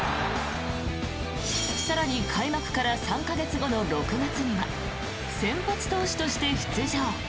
更に、開幕から３か月後の６月には先発投手として出場。